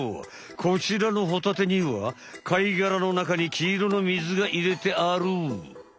こちらのホタテには貝がらのなかにきいろの水がいれてある。